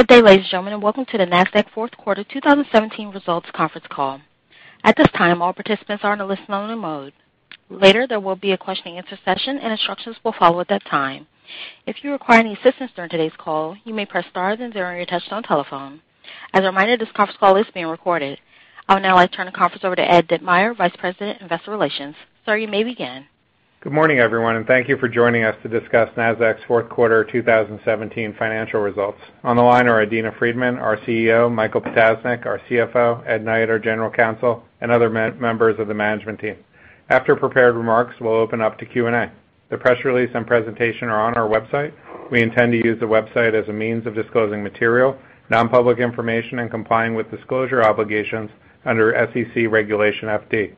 Good day, ladies and gentlemen, and welcome to the Nasdaq fourth quarter 2017 results conference call. At this time, all participants are in a listen-only mode. Later, there will be a question and answer session, and instructions will follow at that time. If you require any assistance during today's call, you may press star then zero on your touch-tone telephone. As a reminder, this conference call is being recorded. I would now like to turn the conference over to Ed Ditmire, Vice President of Investor Relations. Sir, you may begin. Good morning, everyone, and thank you for joining us to discuss Nasdaq's fourth quarter 2017 financial results. On the line are Adena Friedman, our CEO, Michael Ptasznik, our CFO, Ed Knight, our General Counsel, and other members of the management team. After prepared remarks, we'll open up to Q&A. The press release and presentation are on our website. We intend to use the website as a means of disclosing material, non-public information, and complying with disclosure obligations under SEC Regulation FD.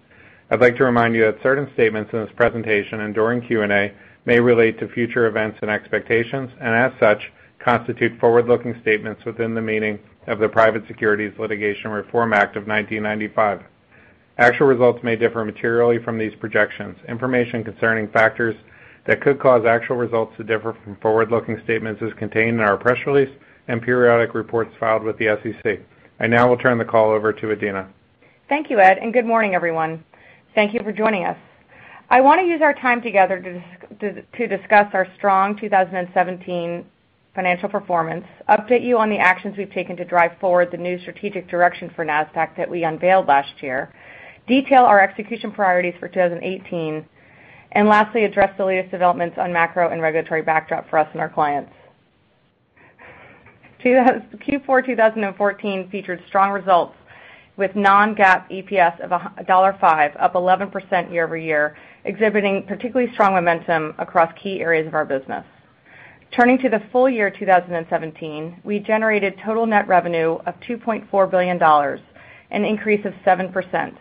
I'd like to remind you that certain statements in this presentation and during Q&A may relate to future events and expectations, and as such, constitute forward-looking statements within the meaning of the Private Securities Litigation Reform Act of 1995. Actual results may differ materially from these projections. Information concerning factors that could cause actual results to differ from forward-looking statements is contained in our press release and periodic reports filed with the SEC. I now will turn the call over to Adena. Thank you, Ed, and good morning, everyone. Thank you for joining us. I want to use our time together to discuss our strong 2017 financial performance, update you on the actions we've taken to drive forward the new strategic direction for Nasdaq that we unveiled last year, detail our execution priorities for 2018, and lastly, address the latest developments on macro and regulatory backdrop for us and our clients. Q4 2014 featured strong results with non-GAAP EPS of $1.05, up 11% year-over-year, exhibiting particularly strong momentum across key areas of our business. Turning to the full year 2017, we generated total net revenue of $2.4 billion, an increase of 7%.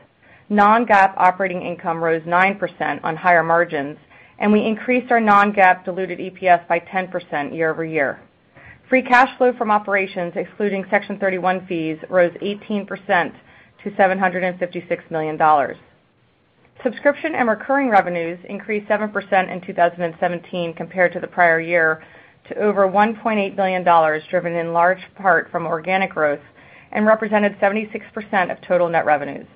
Non-GAAP operating income rose 9% on higher margins, and we increased our non-GAAP diluted EPS by 10% year-over-year. Free cash flow from operations, excluding Section 31 fees, rose 18% to $756 million. Subscription and recurring revenues increased 7% in 2017 compared to the prior year to over $1.8 billion, driven in large part from organic growth and represented 76% of total net revenues.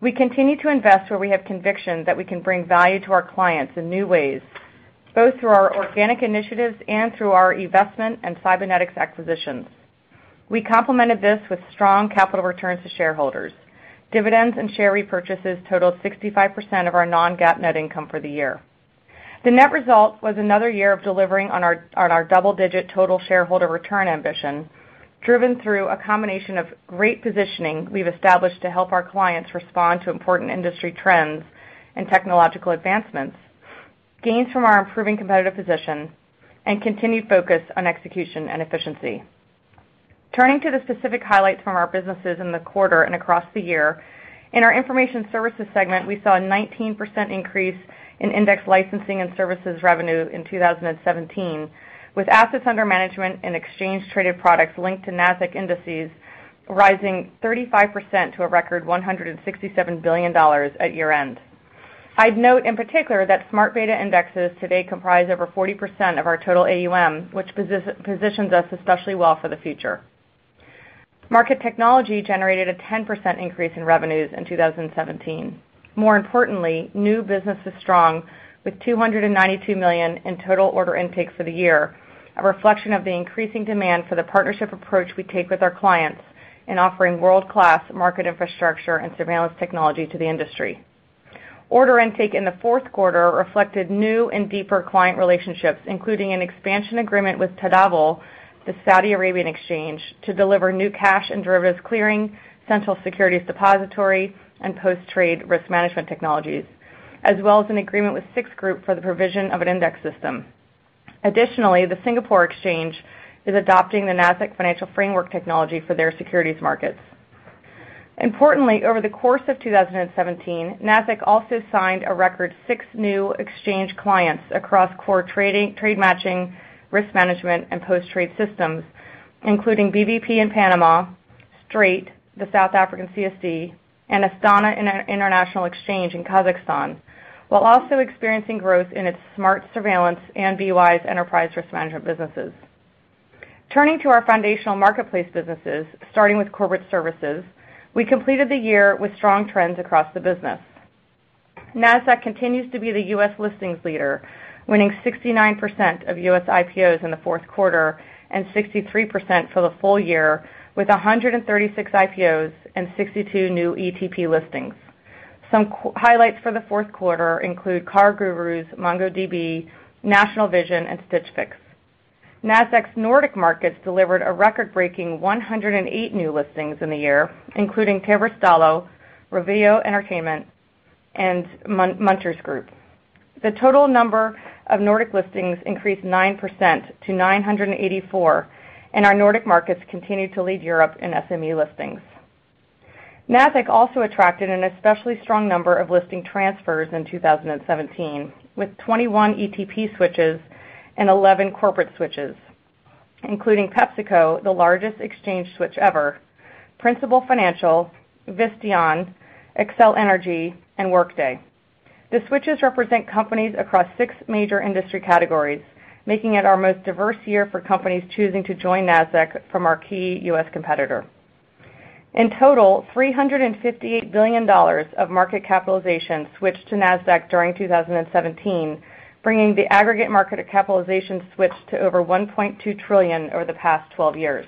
We continue to invest where we have conviction that we can bring value to our clients in new ways, both through our organic initiatives and through our investment in Cinnober acquisitions. We complemented this with strong capital returns to shareholders. Dividends and share repurchases totaled 65% of our non-GAAP net income for the year. The net result was another year of delivering on our double-digit total shareholder return ambition, driven through a combination of great positioning we've established to help our clients respond to important industry trends and technological advancements, gains from our improving competitive position, and continued focus on execution and efficiency. Turning to the specific highlights from our businesses in the quarter and across the year, in our Information Services segment, we saw a 19% increase in index licensing and services revenue in 2017, with assets under management and exchange traded products linked to Nasdaq indices rising 35% to a record $167 billion at year-end. I'd note in particular that smart beta indexes today comprise over 40% of our total AUM, which positions us especially well for the future. Market Technology generated a 10% increase in revenues in 2017. More importantly, new business is strong with $292 million in total order intakes for the year, a reflection of the increasing demand for the partnership approach we take with our clients in offering world-class market infrastructure and surveillance technology to the industry. Order intake in the fourth quarter reflected new and deeper client relationships, including an expansion agreement with Tadawul, the Saudi Arabian exchange, to deliver new cash and derivatives clearing, central securities depository, and post-trade risk management technologies, as well as an agreement with SIX Group for the provision of an index system. Additionally, the Singapore Exchange is adopting the Nasdaq Financial Framework technology for their securities markets. Importantly, over the course of 2017, Nasdaq also signed a record 6 new exchange clients across core trade matching, risk management, and post-trade systems, including BVP in Panama, Strate, the South African CSD, and Astana International Exchange in Kazakhstan, while also experiencing growth in its SMARTS surveillance and BWise enterprise risk management businesses. Turning to our foundational marketplace businesses, starting with Corporate Services, we completed the year with strong trends across the business. Nasdaq continues to be the U.S. listings leader, winning 69% of U.S. IPOs in the fourth quarter and 63% for the full year, with 136 IPOs and 62 new ETP listings. Some highlights for the fourth quarter include CarGurus, MongoDB, National Vision, and Stitch Fix. Nasdaq's Nordic markets delivered a record-breaking 108 new listings in the year, including Terveystalo, Rovio Entertainment, and Munters Group. The total number of Nordic listings increased 9% to 984, and our Nordic markets continued to lead Europe in SME listings. Nasdaq also attracted an especially strong number of listing transfers in 2017, with 21 ETP switches and 11 corporate switches, including PepsiCo, the largest exchange switch ever, Principal Financial, Visteon, Xcel Energy, and Workday. The switches represent companies across 6 major industry categories, making it our most diverse year for companies choosing to join Nasdaq from our key U.S. competitor. In total, $358 billion of market capitalization switched to Nasdaq during 2017, bringing the aggregate market capitalization switch to over $1.2 trillion over the past 12 years.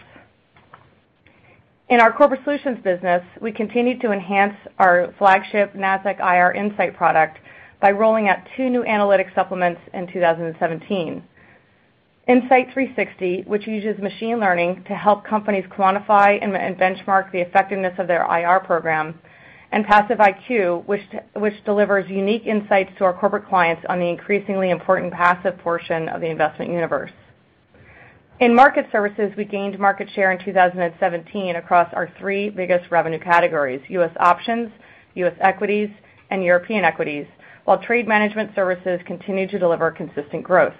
In our corporate solutions business, we continued to enhance our flagship Nasdaq IR Insight product by rolling out two new analytic supplements in 2017. Insight 360, which uses machine learning to help companies quantify and benchmark the effectiveness of their IR program, and passiveIQ, which delivers unique insights to our corporate clients on the increasingly important passive portion of the investment universe. In market services, we gained market share in 2017 across our three biggest revenue categories, U.S. options, U.S. equities, and European equities, while trade management services continued to deliver consistent growth.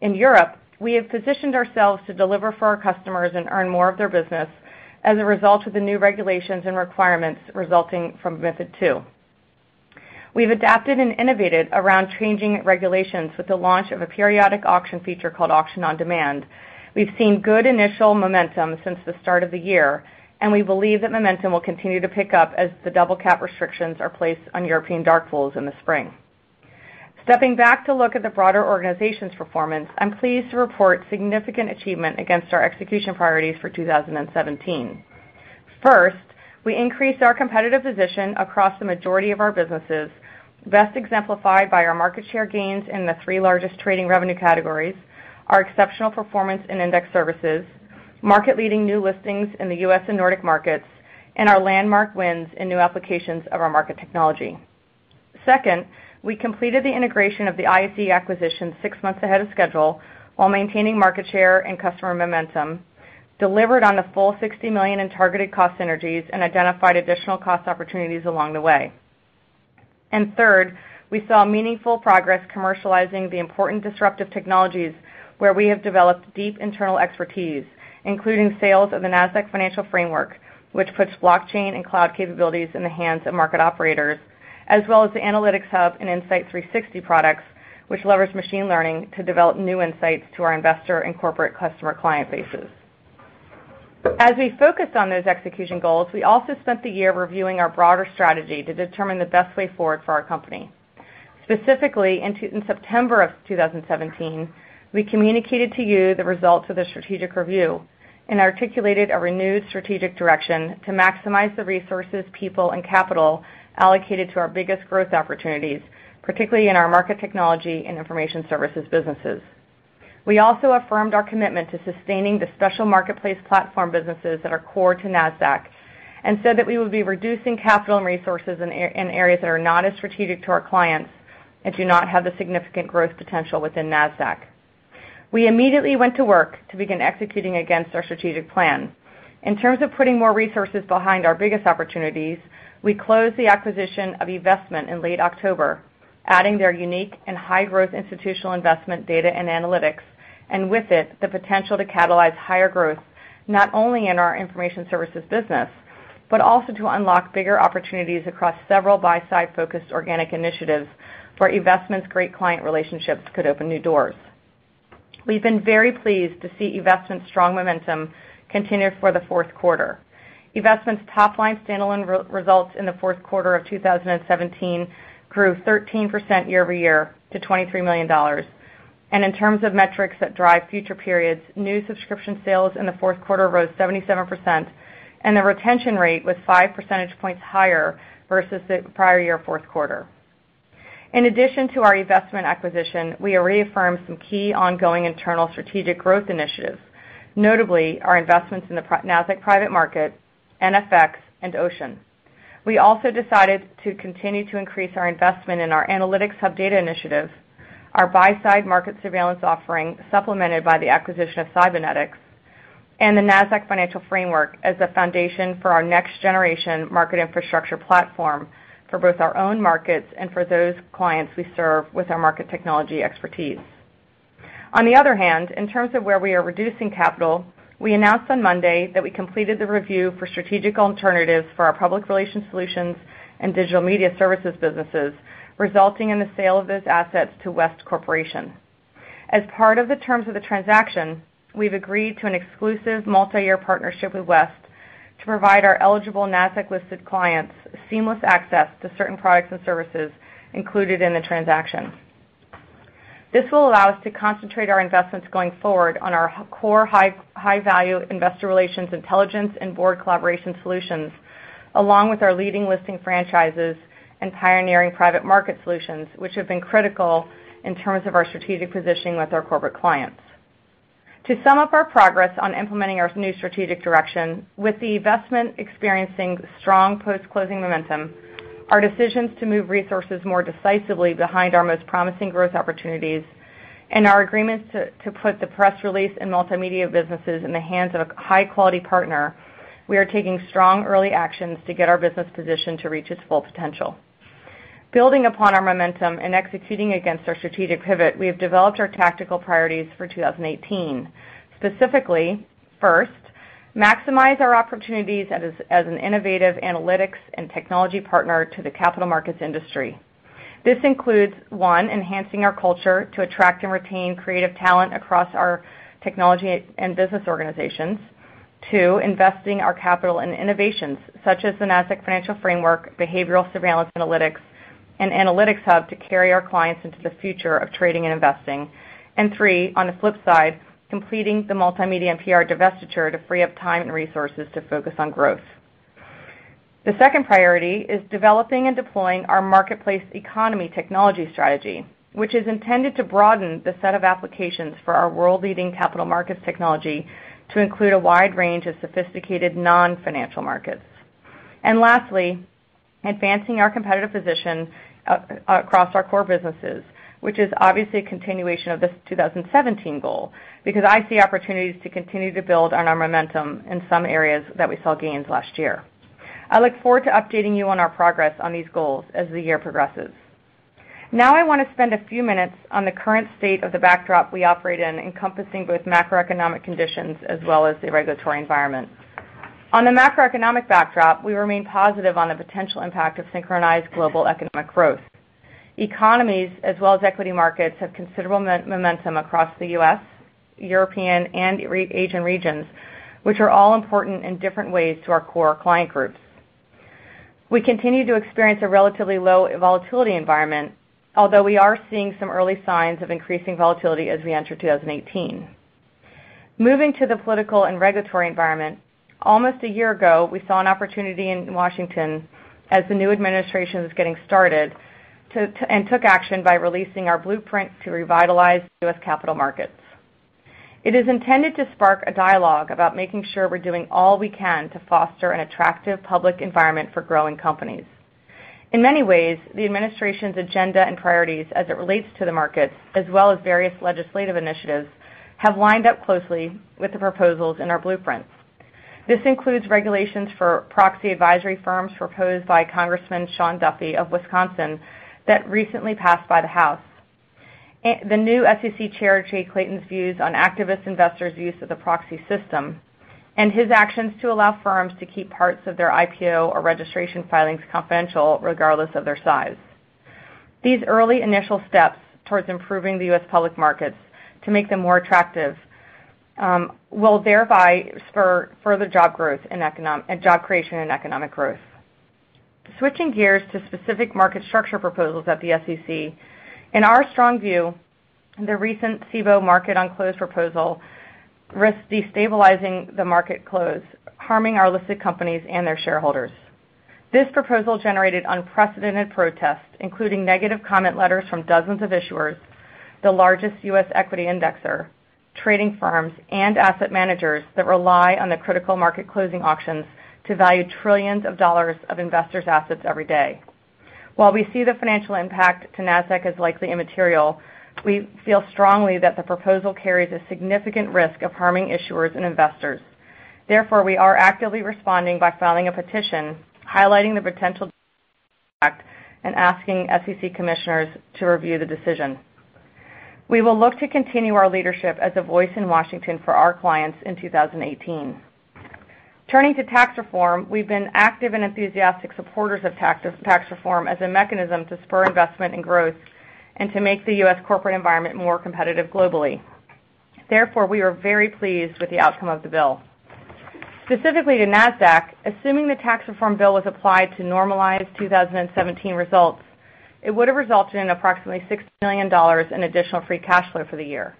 In Europe, we have positioned ourselves to deliver for our customers and earn more of their business as a result of the new regulations and requirements resulting from MiFID II. We've adapted and innovated around changing regulations with the launch of a periodic auction feature called Auction on Demand. We've seen good initial momentum since the start of the year. We believe that momentum will continue to pick up as the double cap restrictions are placed on European dark pools in the spring. Stepping back to look at the broader organization's performance, I'm pleased to report significant achievement against our execution priorities for 2017. First, we increased our competitive position across the majority of our businesses, best exemplified by our market share gains in the three largest trading revenue categories, our exceptional performance in index services, market-leading new listings in the U.S. and Nordic markets, and our landmark wins in new applications of our market technology. Second, we completed the integration of the ISE acquisition six months ahead of schedule while maintaining market share and customer momentum, delivered on the full $60 million in targeted cost synergies. Identified additional cost opportunities along the way. Third, we saw meaningful progress commercializing the important disruptive technologies where we have developed deep internal expertise, including sales of the Nasdaq Financial Framework, which puts blockchain and cloud capabilities in the hands of market operators, as well as the Analytics Hub and Insight 360 products, which leverage machine learning to develop new insights to our investor and corporate customer client bases. As we focused on those execution goals, we also spent the year reviewing our broader strategy to determine the best way forward for our company. Specifically, in September of 2017, we communicated to you the results of the strategic review and articulated a renewed strategic direction to maximize the resources, people, and capital allocated to our biggest growth opportunities, particularly in our market technology and information services businesses. We also affirmed our commitment to sustaining the special marketplace platform businesses that are core to Nasdaq and said that we would be reducing capital and resources in areas that are not as strategic to our clients and do not have the significant growth potential within Nasdaq. We immediately went to work to begin executing against our strategic plan. In terms of putting more resources behind our biggest opportunities, we closed the acquisition of eVestment in late October, adding their unique and high-growth institutional investment data and analytics, and with it, the potential to catalyze higher growth, not only in our information services business, but also to unlock bigger opportunities across several buy-side-focused organic initiatives where eVestment's great client relationships could open new doors. We've been very pleased to see eVestment's strong momentum continue for the fourth quarter. eVestment's top-line standalone results in the fourth quarter of 2017 grew 13% year-over-year to $23 million. In terms of metrics that drive future periods, new subscription sales in the fourth quarter rose 77%, and the retention rate was five percentage points higher versus the prior year fourth quarter. In addition to our eVestment acquisition, we reaffirmed some key ongoing internal strategic growth initiatives, notably our investments in the Nasdaq Private Market, NFX, and Ocean. We also decided to continue to increase our investment in our Analytics Hub data initiative, our buy-side market surveillance offering, supplemented by the acquisition of Sybenetix, and the Nasdaq Financial Framework as the foundation for our next-generation market infrastructure platform for both our own markets and for those clients we serve with our market technology expertise. On the other hand, in terms of where we are reducing capital, we announced on Monday that we completed the review for strategic alternatives for our public relations solutions and digital media services businesses, resulting in the sale of those assets to West Corporation. As part of the terms of the transaction, we've agreed to an exclusive multi-year partnership with West to provide our eligible Nasdaq-listed clients seamless access to certain products and services included in the transaction. This will allow us to concentrate our investments going forward on our core high-value investor relations intelligence and board collaboration solutions, along with our leading listing franchises and pioneering private market solutions, which have been critical in terms of our strategic positioning with our corporate clients. To sum up our progress on implementing our new strategic direction, with eVestment experiencing strong post-closing momentum, our decisions to move resources more decisively behind our most promising growth opportunities, and our agreements to put the press release and multimedia businesses in the hands of a high-quality partner, we are taking strong early actions to get our business position to reach its full potential. Building upon our momentum and executing against our strategic pivot, we have developed our tactical priorities for 2018. Specifically, First, maximize our opportunities as an innovative analytics and technology partner to the capital markets industry. This includes, one, enhancing our culture to attract and retain creative talent across our technology and business organizations. Two, investing our capital in innovations such as the Nasdaq Financial Framework, behavioral surveillance analytics, and Analytics Hub to carry our clients into the future of trading and investing. Three, on the flip side, completing the multimedia and PR divestiture to free up time and resources to focus on growth. The second priority is developing and deploying our marketplace economy technology strategy, which is intended to broaden the set of applications for our world-leading capital markets technology to include a wide range of sophisticated non-financial markets. Lastly, advancing our competitive position across our core businesses, which is obviously a continuation of the 2017 goal, because I see opportunities to continue to build on our momentum in some areas that we saw gains last year. I look forward to updating you on our progress on these goals as the year progresses. Now I want to spend a few minutes on the current state of the backdrop we operate in, encompassing both macroeconomic conditions as well as the regulatory environment. On the macroeconomic backdrop, we remain positive on the potential impact of synchronized global economic growth. Economies, as well as equity markets, have considerable momentum across the U.S., European, and Asian regions, which are all important in different ways to our core client groups. We continue to experience a relatively low volatility environment, although we are seeing some early signs of increasing volatility as we enter 2018. Moving to the political and regulatory environment, almost a year ago, we saw an opportunity in Washington as the new administration was getting started, and took action by releasing our blueprint to revitalize U.S. capital markets. It is intended to spark a dialogue about making sure we're doing all we can to foster an attractive public environment for growing companies. In many ways, the administration's agenda and priorities as it relates to the markets, as well as various legislative initiatives, have lined up closely with the proposals in our blueprints. This includes regulations for proxy advisory firms proposed by Congressman Sean Duffy of Wisconsin that recently passed by the House. The new SEC Chair Jay Clayton's views on activist investors' use of the proxy system, and his actions to allow firms to keep parts of their IPO or registration filings confidential regardless of their size. These early initial steps towards improving the U.S. public markets to make them more attractive will thereby spur further job creation and economic growth. Switching gears to specific market structure proposals at the SEC. In our strong view, the recent Cboe market on close proposal risks destabilizing the market close, harming our listed companies and their shareholders. This proposal generated unprecedented protests, including negative comment letters from dozens of issuers, the largest U.S. equity indexer, trading firms, and asset managers that rely on the critical market closing auctions to value trillions of dollars of investors' assets every day. While we see the financial impact to Nasdaq as likely immaterial, we feel strongly that the proposal carries a significant risk of harming issuers and investors. Therefore, we are actively responding by filing a petition, highlighting the potential impact and asking SEC commissioners to review the decision. We will look to continue our leadership as a voice in Washington for our clients in 2018. Turning to tax reform, we've been active and enthusiastic supporters of tax reform as a mechanism to spur investment and growth and to make the U.S. corporate environment more competitive globally. Therefore, we are very pleased with the outcome of the bill. Specifically to Nasdaq, assuming the tax reform bill was applied to normalized 2017 results, it would have resulted in approximately $6 million in additional free cash flow for the year.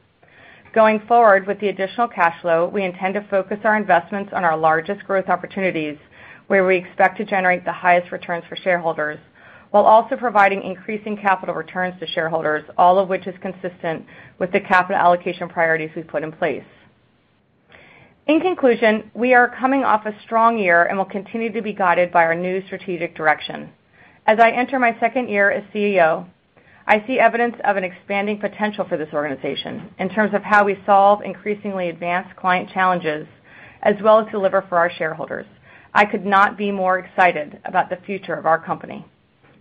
Going forward, with the additional cash flow, we intend to focus our investments on our largest growth opportunities, where we expect to generate the highest returns for shareholders, while also providing increasing capital returns to shareholders, all of which is consistent with the capital allocation priorities we've put in place. In conclusion, we are coming off a strong year and will continue to be guided by our new strategic direction. As I enter my second year as CEO, I see evidence of an expanding potential for this organization in terms of how we solve increasingly advanced client challenges, as well as deliver for our shareholders. I could not be more excited about the future of our company.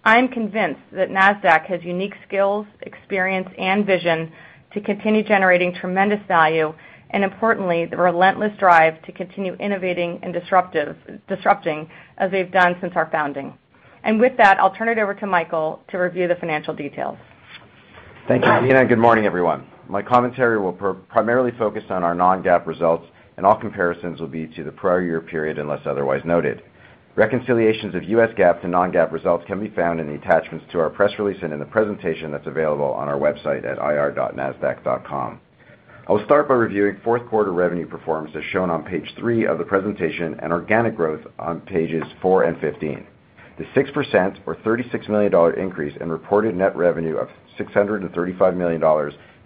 I am convinced that Nasdaq has unique skills, experience, and vision to continue generating tremendous value, and importantly, the relentless drive to continue innovating and disrupting as we've done since our founding. With that, I'll turn it over to Michael to review the financial details. Thank you, Adena. Good morning, everyone. My commentary will primarily focus on our non-GAAP results, and all comparisons will be to the prior year period unless otherwise noted. Reconciliations of US GAAP to non-GAAP results can be found in the attachments to our press release and in the presentation that's available on our website at ir.nasdaq.com. I will start by reviewing fourth quarter revenue performance as shown on page three of the presentation and organic growth on pages four and 15. The 6% or $36 million increase in reported net revenue of $635 million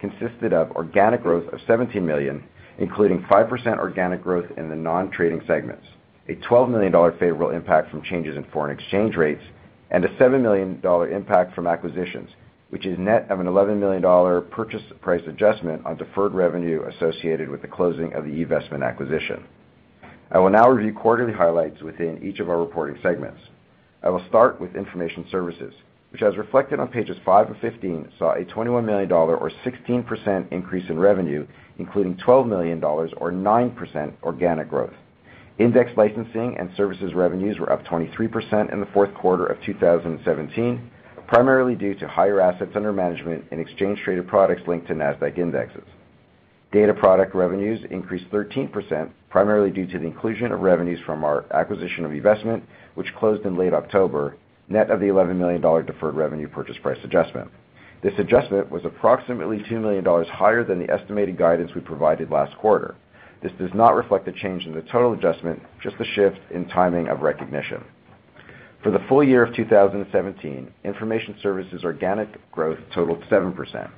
consisted of organic growth of $17 million, including 5% organic growth in the non-trading segments, a $12 million favorable impact from changes in foreign exchange rates, and a $7 million impact from acquisitions, which is net of an $11 million purchase price adjustment on deferred revenue associated with the closing of the eVestment acquisition. I will now review quarterly highlights within each of our reporting segments. I will start with Information Services, which as reflected on pages five and 15, saw a $21 million or 16% increase in revenue, including $12 million or 9% organic growth. Index licensing and services revenues were up 23% in the fourth quarter of 2017, primarily due to higher assets under management and exchange traded products linked to Nasdaq indexes. Data product revenues increased 13%, primarily due to the inclusion of revenues from our acquisition of eVestment, which closed in late October, net of the $11 million deferred revenue purchase price adjustment. This adjustment was approximately $2 million higher than the estimated guidance we provided last quarter. This does not reflect a change in the total adjustment, just a shift in timing of recognition. For the full year of 2017, Information Services organic growth totaled 7%.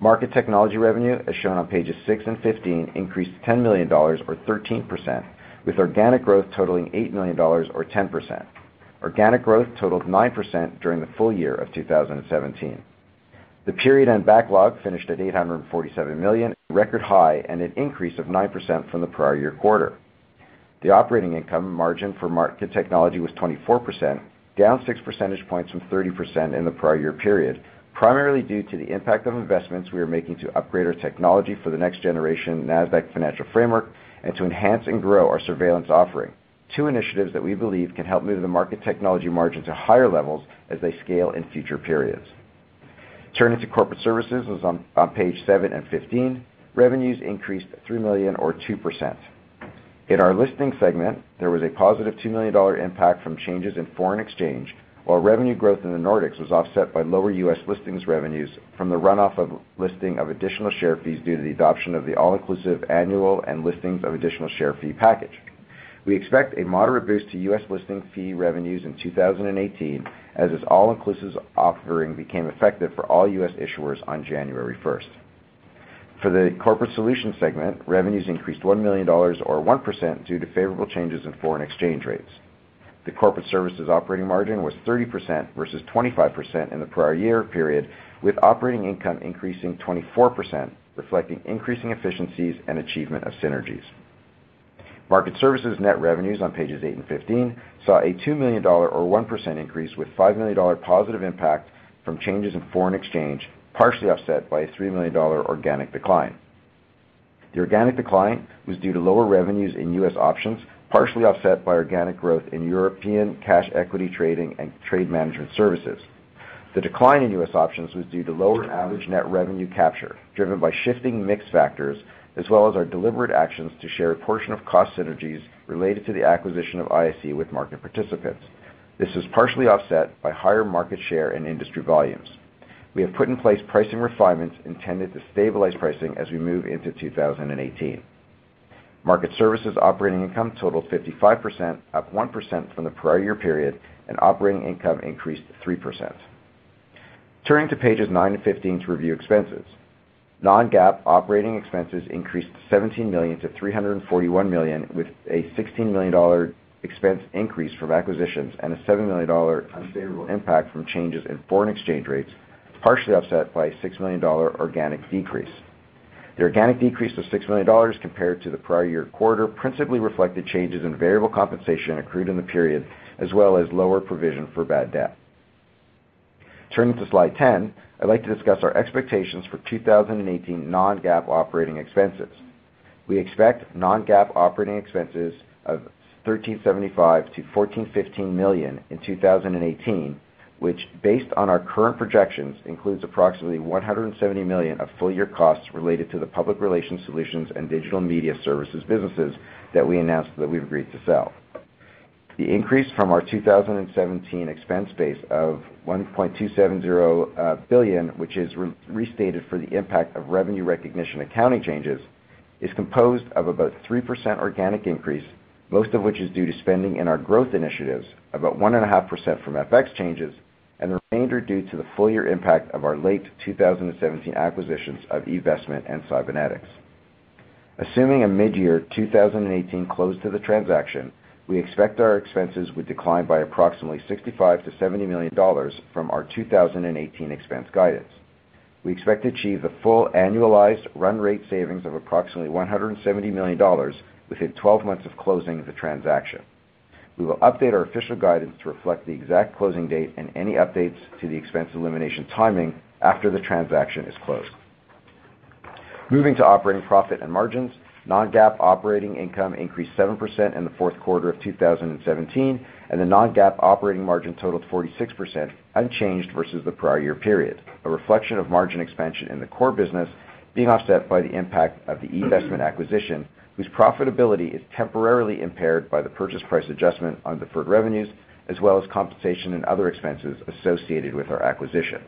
Market technology revenue, as shown on pages six and 15, increased to $10 million or 13%, with organic growth totaling $8 million or 10%. Organic growth totaled 9% during the full year of 2017. The period end backlog finished at $847 million, a record high and an increase of 9% from the prior year quarter. The operating income margin for market technology was 24%, down six percentage points from 30% in the prior year period, primarily due to the impact of investments we are making to upgrade our technology for the next generation Nasdaq Financial Framework and to enhance and grow our surveillance offering. Two initiatives that we believe can help move the market technology margin to higher levels as they scale in future periods. Turning to corporate services as on page seven and 15, revenues increased $3 million or 2%. In our listing segment, there was a positive $2 million impact from changes in foreign exchange, while revenue growth in the Nordics was offset by lower U.S. listings revenues from the runoff of listing of additional share fees due to the adoption of the all-inclusive annual and listings of additional share fee package. We expect a moderate boost to U.S. listing fee revenues in 2018, as this all-inclusive offering became effective for all U.S. issuers on January 1st. For the corporate solution segment, revenues increased $1 million or 1% due to favorable changes in foreign exchange rates. The corporate services operating margin was 30% versus 25% in the prior year period, with operating income increasing 24%, reflecting increasing efficiencies and achievement of synergies. Market services net revenues on pages eight and 15 saw a $2 million or 1% increase, with $5 million positive impact from changes in foreign exchange, partially offset by a $3 million organic decline. The organic decline was due to lower revenues in U.S. options, partially offset by organic growth in European cash equity trading and trade management services. The decline in U.S. options was due to lower average net revenue capture, driven by shifting mix factors, as well as our deliberate actions to share a portion of cost synergies related to the acquisition of ISE with market participants. This was partially offset by higher market share and industry volumes. We have put in place pricing refinements intended to stabilize pricing as we move into 2018. Market services operating income totaled 55%, up 1% from the prior year period, and operating income increased 3%. Turning to pages nine to 15 to review expenses. Non-GAAP operating expenses increased to $17 million to $341 million, with a $16 million expense increase from acquisitions and a $7 million unfavorable impact from changes in foreign exchange rates, partially offset by a $6 million organic decrease. The organic decrease of $6 million compared to the prior year quarter principally reflected changes in variable compensation accrued in the period, as well as lower provision for bad debt. Turning to slide 10, I'd like to discuss our expectations for 2018 non-GAAP operating expenses. We expect non-GAAP operating expenses of $1,375 million-$1,415 million in 2018, which, based on our current projections, includes approximately $170 million of full year costs related to the public relations solutions and digital media services businesses that we announced that we've agreed to sell. The increase from our 2017 expense base of $1.270 billion, which is restated for the impact of revenue recognition accounting changes, is composed of about 3% organic increase, most of which is due to spending in our growth initiatives, about 1.5% from FX changes, and the remainder due to the full year impact of our late 2017 acquisitions of eVestment and Cinnober. Assuming a mid-year 2018 close to the transaction, we expect our expenses would decline by approximately $65 million-$70 million from our 2018 expense guidance. We expect to achieve the full annualized run rate savings of approximately $170 million within 12 months of closing the transaction. We will update our official guidance to reflect the exact closing date and any updates to the expense elimination timing after the transaction is closed. Moving to operating profit and margins. Non-GAAP operating income increased 7% in the fourth quarter of 2017, and the non-GAAP operating margin totaled 46%, unchanged versus the prior year period. A reflection of margin expansion in the core business being offset by the impact of the eVestment acquisition, whose profitability is temporarily impaired by the purchase price adjustment on deferred revenues, as well as compensation and other expenses associated with our acquisition.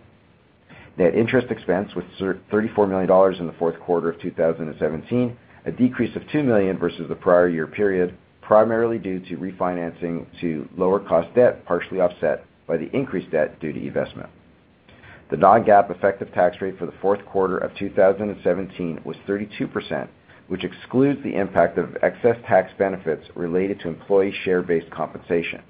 Net interest expense was $34 million in the fourth quarter of 2017, a decrease of $2 million versus the prior year period, primarily due to refinancing to lower cost debt, partially offset by the increased debt due to eVestment. The non-GAAP effective tax rate for the fourth quarter of 2017 was 32%, which excludes the impact of excess tax benefits related to employee share-based compensation.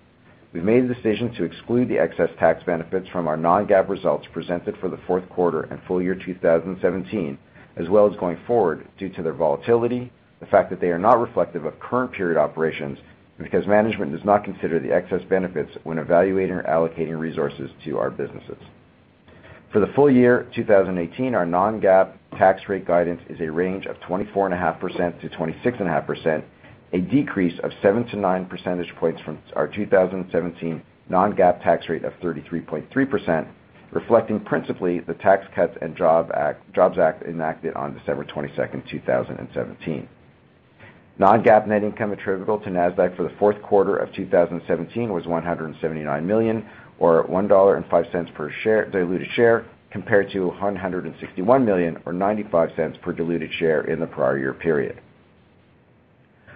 We made the decision to exclude the excess tax benefits from our non-GAAP results presented for the fourth quarter and full year 2017, as well as going forward due to their volatility, the fact that they are not reflective of current period operations, and because management does not consider the excess benefits when evaluating or allocating resources to our businesses. For the full year 2018, our non-GAAP tax rate guidance is a range of 24.5%-26.5%, a decrease of 7 to 9 percentage points from our 2017 non-GAAP tax rate of 33.3%, reflecting principally the Tax Cuts and Jobs Act enacted on December 22, 2017. Non-GAAP net income attributable to Nasdaq for the fourth quarter of 2017 was $179 million, or $1.05 per diluted share, compared to $161 million or $0.95 per diluted share in the prior year period.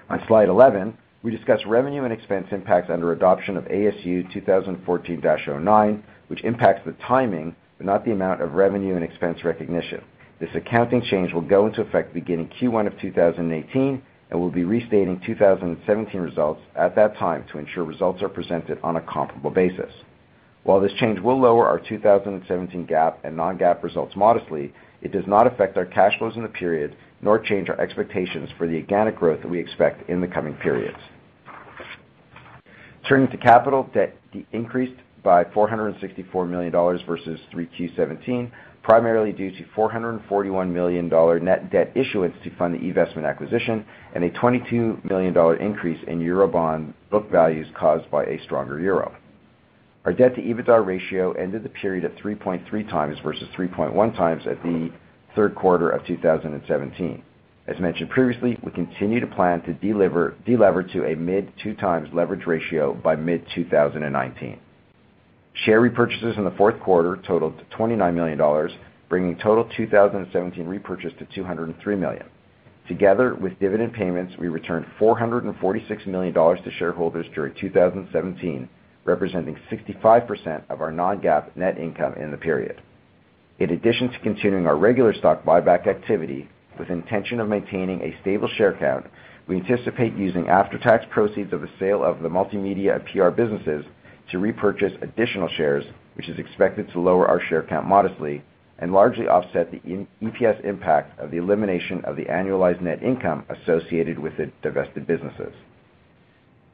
On slide 11, we discuss revenue and expense impacts under adoption of ASU 2014-09, which impacts the timing, but not the amount of revenue and expense recognition. This accounting change will go into effect beginning Q1 of 2018, and we'll be restating 2017 results at that time to ensure results are presented on a comparable basis. While this change will lower our 2017 GAAP and non-GAAP results modestly, it does not affect our cash flows in the period, nor change our expectations for the organic growth that we expect in the coming periods. Turning to capital, debt increased by $464 million versus 3Q17, primarily due to $441 million net debt issuance to fund the eVestment acquisition, and a $22 million increase in EUR bond book values caused by a stronger euro. Our debt-to-EBITDA ratio ended the period at 3.3 times versus 3.1 times at the third quarter of 2017. As mentioned previously, we continue to plan to de-lever to a mid two times leverage ratio by mid-2019. Share repurchases in the fourth quarter totaled $29 million, bringing total 2017 repurchase to $203 million. Together with dividend payments, we returned $446 million to shareholders during 2017, representing 65% of our non-GAAP net income in the period. In addition to continuing our regular stock buyback activity with intention of maintaining a stable share count, we anticipate using after-tax proceeds of the sale of the multimedia and PR businesses to repurchase additional shares, which is expected to lower our share count modestly and largely offset the EPS impact of the elimination of the annualized net income associated with the divested businesses.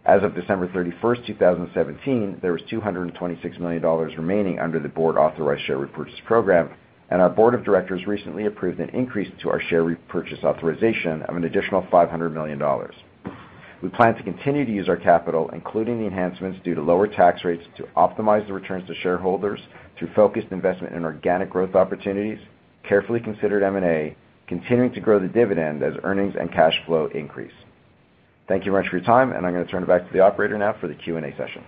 As of December 31st, 2017, there was $226 million remaining under the board-authorized share repurchase program. Our board of directors recently approved an increase to our share repurchase authorization of an additional $500 million. We plan to continue to use our capital, including the enhancements due to lower tax rates, to optimize the returns to shareholders through focused investment in organic growth opportunities, carefully considered M&A, continuing to grow the dividend as earnings and cash flow increase. Thank you much for your time. I'm going to turn it back to the operator now for the Q&A session.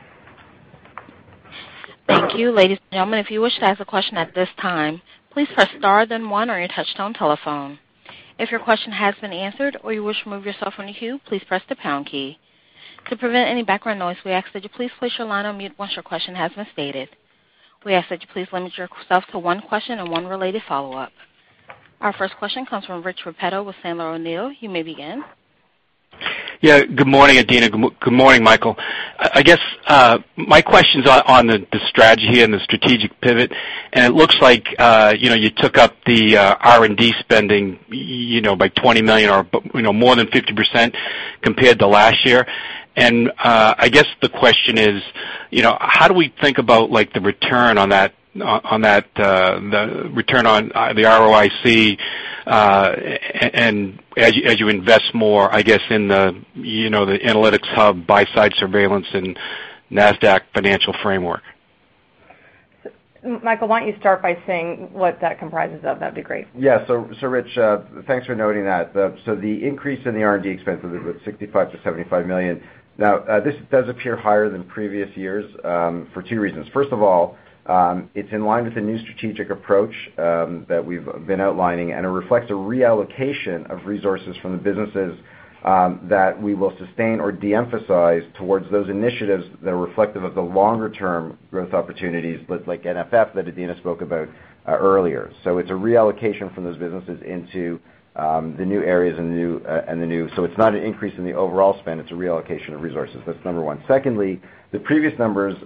Thank you. Ladies and gentlemen, if you wish to ask a question at this time, please press star then one on your touchtone telephone. If your question has been answered or you wish to remove yourself from the queue, please press the pound key. To prevent any background noise, we ask that you please place your line on mute once your question has been stated. We ask that you please limit yourself to one question and one related follow-up. Our first question comes from Rich Repetto with Sandler O'Neill. You may begin. Yeah. Good morning, Adena. Good morning, Michael. I guess my question's on the strategy and the strategic pivot. It looks like you took up the R&D spending by $20 million or more than 50% compared to last year. I guess the question is, how do we think about the return on the ROIC as you invest more, I guess, in the Analytics Hub, buy-side surveillance, and Nasdaq Financial Framework? Michael, why don't you start by saying what that comprises of? That'd be great. Yeah. Rich, thanks for noting that. The increase in the R&D expense of the $65 million-$75 million. Now, this does appear higher than previous years, for two reasons. First of all, it's in line with the new strategic approach that we've been outlining, and it reflects a reallocation of resources from the businesses that we will sustain or de-emphasize towards those initiatives that are reflective of the longer-term growth opportunities, like NFF that Adena spoke about earlier. It's a reallocation from those businesses into the new areas. It's not an increase in the overall spend, it's a reallocation of resources. That's number 1. Secondly, the previous numbers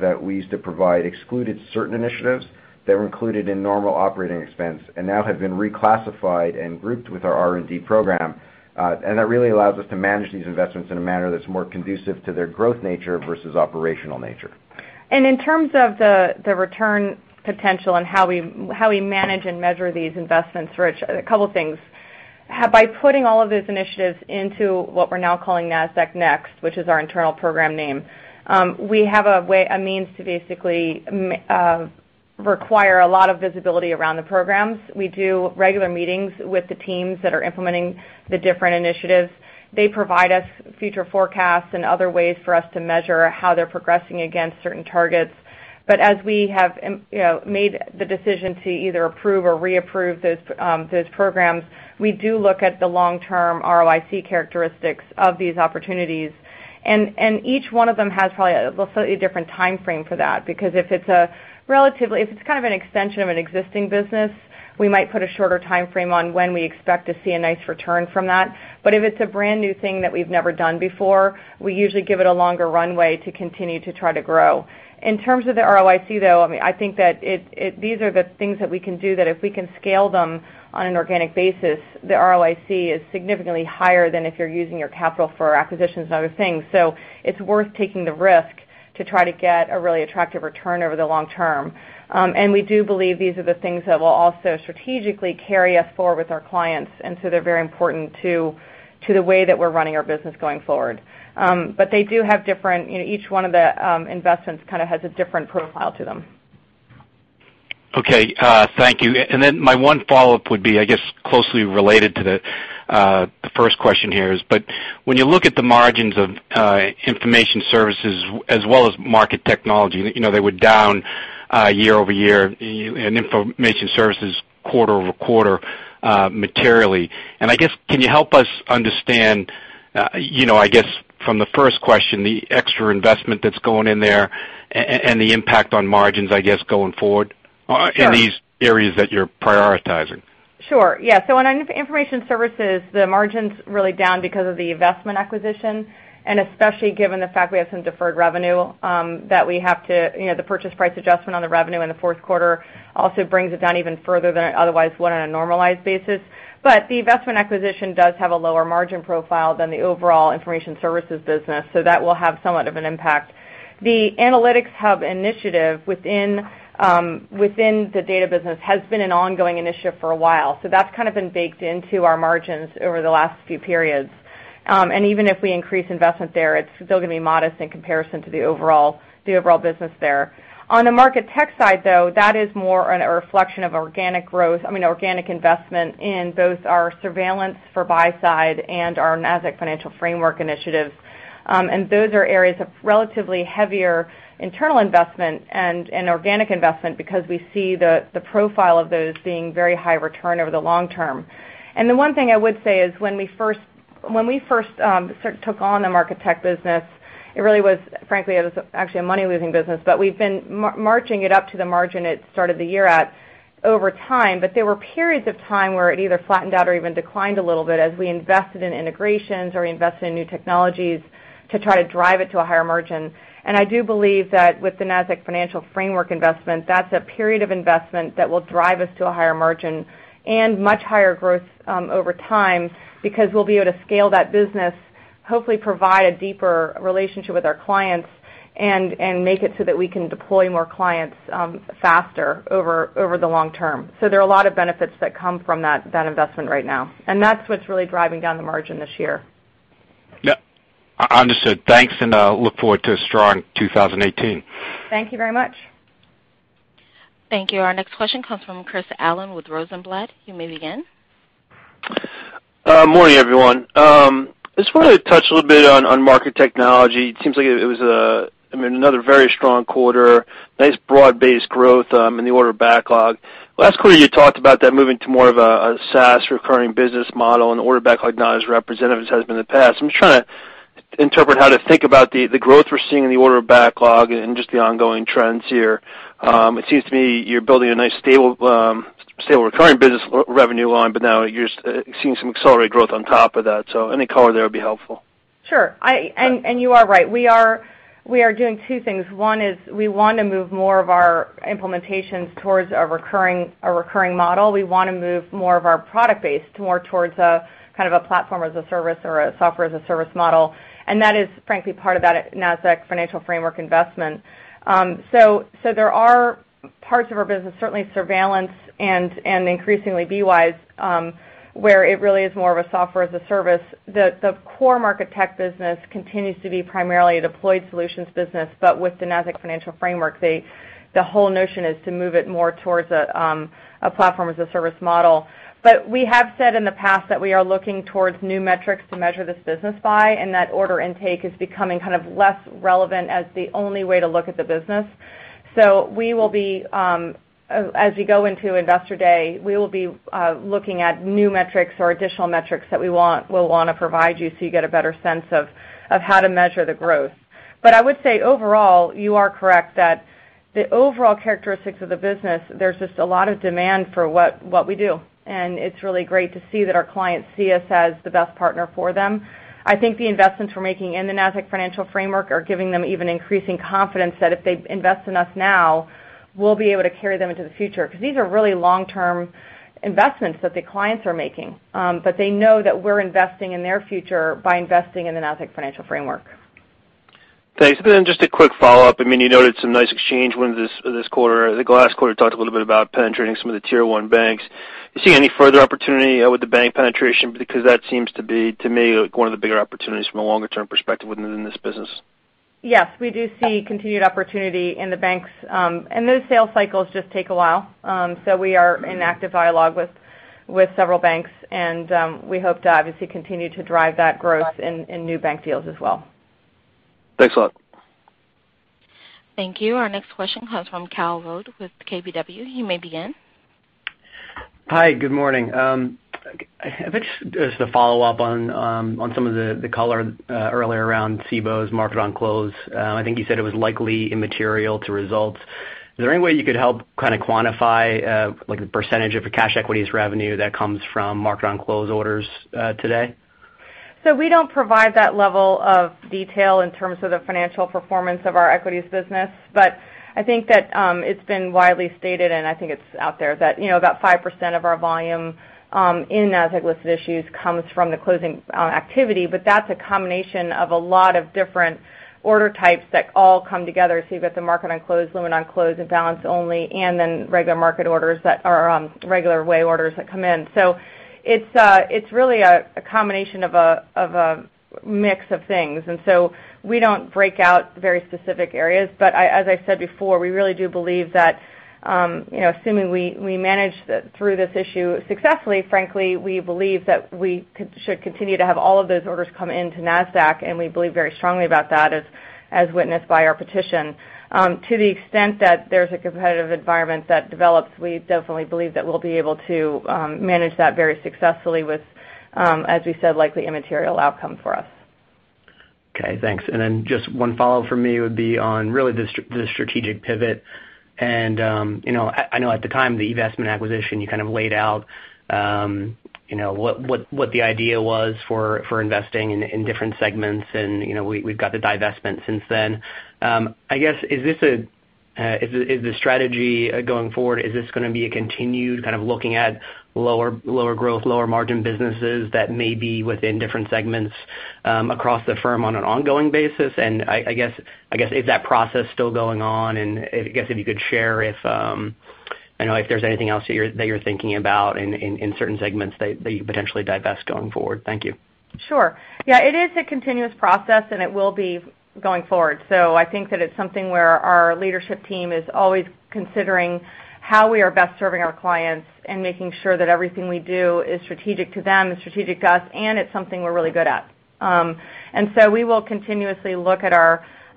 that we used to provide excluded certain initiatives that were included in normal operating expense, and now have been reclassified and grouped with our R&D program. That really allows us to manage these investments in a manner that's more conducive to their growth nature versus operational nature. In terms of the return potential and how we manage and measure these investments, Rich, a couple things. By putting all of these initiatives into what we're now calling Nasdaq Next, which is our internal program name, we have a means to basically require a lot of visibility around the programs. We do regular meetings with the teams that are implementing the different initiatives. They provide us future forecasts and other ways for us to measure how they're progressing against certain targets. As we have made the decision to either approve or reapprove those programs, we do look at the long-term ROIC characteristics of these opportunities. Each one of them has probably a slightly different timeframe for that, because if it's kind of an extension of an existing business, we might put a shorter timeframe on when we expect to see a nice return from that. If it's a brand-new thing that we've never done before, we usually give it a longer runway to continue to try to grow. In terms of the ROIC, though, I think that these are the things that we can do that if we can scale them on an organic basis, the ROIC is significantly higher than if you're using your capital for acquisitions and other things. It's worth taking the risk to try to get a really attractive return over the long term. We do believe these are the things that will also strategically carry us forward with our clients. They're very important to the way that we're running our business going forward. They do have different, each one of the investments kind of has a different profile to them. Okay. Thank you. My one follow-up would be, I guess, closely related to the first question here is, when you look at the margins of Information Services as well as Market Technology, they were down year-over-year in Information Services quarter-over-quarter, materially. I guess, can you help us understand, from the first question, the extra investment that's going in there and the impact on margins, I guess, going forward. Sure in these areas that you're prioritizing? Sure. Yeah. On Information Services, the margin's really down because of the eVestment acquisition, especially given the fact we have some deferred revenue, that we have to, the purchase price adjustment on the revenue in the fourth quarter also brings it down even further than it otherwise would on a normalized basis. The eVestment acquisition does have a lower margin profile than the overall Information Services business, so that will have somewhat of an impact. The Analytics Hub initiative within the data business has been an ongoing initiative for a while, so that's kind of been baked into our margins over the last few periods. Even if we increase investment there, it's still going to be modest in comparison to the overall business there. On the market tech side, though, that is more a reflection of organic investment in both our surveillance for buy-side and our Nasdaq Financial Framework initiatives. Those are areas of relatively heavier internal investment and organic investment because we see the profile of those being very high return over the long term. The one thing I would say is when we first took on the market tech business, it really was, frankly, it was actually a money-losing business. We've been marching it up to the margin it started the year at over time. There were periods of time where it either flattened out or even declined a little bit as we invested in integrations or invested in new technologies to try to drive it to a higher margin. I do believe that with the Nasdaq Financial Framework investment, that's a period of investment that will drive us to a higher margin and much higher growth over time because we'll be able to scale that business, hopefully provide a deeper relationship with our clients and make it so that we can deploy more clients faster over the long term. There are a lot of benefits that come from that investment right now, and that's what's really driving down the margin this year. Yeah. Understood. Thanks, and I look forward to a strong 2018. Thank you very much. Thank you. Our next question comes from Chris Allen with Rosenblatt. You may begin. Morning, everyone. I just wanted to touch a little bit on market technology. It seems like it was another very strong quarter. Nice broad-based growth in the order backlog. Last quarter, you talked about that moving to more of a SaaS recurring business model, and order backlog not as representative as has been in the past. I'm just trying to interpret how to think about the growth we're seeing in the order backlog and just the ongoing trends here. It seems to me you're building a nice stable recurring business revenue line, but now you're seeing some accelerated growth on top of that. Any color there would be helpful. Sure. You are right. We are doing two things. One is we want to move more of our implementations towards a recurring model. We want to move more of our product base more towards a kind of a platform as a service or a software as a service model. That is, frankly, part of that Nasdaq Financial Framework investment. There are parts of our business, certainly Surveillance and increasingly BWise, where it really is more of a software as a service. The core market tech business continues to be primarily a deployed solutions business, but with the Nasdaq Financial Framework, the whole notion is to move it more towards a platform as a service model. We have said in the past that we are looking towards new metrics to measure this business by, and that order intake is becoming kind of less relevant as the only way to look at the business. As we go into Investor Day, we will be looking at new metrics or additional metrics that we'll want to provide you so you get a better sense of how to measure the growth. I would say overall, you are correct that the overall characteristics of the business, there's just a lot of demand for what we do, and it's really great to see that our clients see us as the best partner for them. I think the investments we're making in the Nasdaq Financial Framework are giving them even increasing confidence that if they invest in us now, we'll be able to carry them into the future. These are really long-term investments that the clients are making. They know that we're investing in their future by investing in the Nasdaq Financial Framework. Thanks. Just a quick follow-up. You noted some nice exchange wins this quarter. I think last quarter talked a little bit about penetrating some of the tier 1 banks. You see any further opportunity with the bank penetration? That seems to be, to me, one of the bigger opportunities from a longer-term perspective within this business. Yes, we do see continued opportunity in the banks. Those sales cycles just take a while. We are in active dialogue with several banks, and we hope to obviously continue to drive that growth in new bank deals as well. Thanks a lot. Thank you. Our next question comes from Kyle Voigt with KBW. You may begin. Hi, good morning. I think just a follow-up on some of the color earlier around Cboe's market on close. I think you said it was likely immaterial to results. Is there any way you could help kind of quantify, like the % of cash equities revenue that comes from market on close orders today? We don't provide that level of detail in terms of the financial performance of our equities business. I think that it's been widely stated, and I think it's out there that about 5% of our volume in Nasdaq-listed issues comes from the closing activity. That's a combination of a lot of different order types that all come together. You've got the market on close, limit on close, and balance only, then regular market orders that are regular away orders that come in. It's really a combination of a mix of things. We don't break out very specific areas. As I said before, we really do believe that assuming we manage through this issue successfully, frankly, we believe that we should continue to have all of those orders come into Nasdaq, we believe very strongly about that, as witnessed by our petition. To the extent that there's a competitive environment that develops, we definitely believe that we'll be able to manage that very successfully with, as we said, likely immaterial outcome for us. Okay, thanks. Just one follow-up from me would be on really the strategic pivot. I know at the time the E*TRADE acquisition, you kind of laid out what the idea was for investing in different segments, and we've got the divestment since then. I guess, is the strategy going forward, is this going to be a continued kind of looking at lower growth, lower margin businesses that may be within different segments across the firm on an ongoing basis? I guess, is that process still going on? I guess if you could share if there's anything else that you're thinking about in certain segments that you potentially divest going forward. Thank you. Sure. Yeah, it is a continuous process, and it will be going forward. I think that it's something where our leadership team is always considering how we are best serving our clients and making sure that everything we do is strategic to them and strategic to us, and it's something we're really good at. We will continuously look at